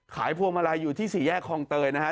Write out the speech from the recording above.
พวงมาลัยอยู่ที่สี่แยกคลองเตยนะฮะ